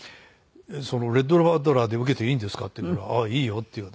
「レット・バトラーで受けていいんですか？」って言ったら「ああいいよ」って言うので。